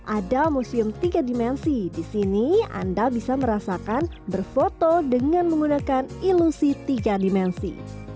ada musim tiga dimensi disini anda bisa merasakan berfoto dengan menggunakan ilusi tiga dimensi